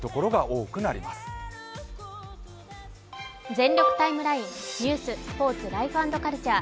「全力ＴＩＭＥライン」ニュース、スポーツ、ライフ＆カルチャー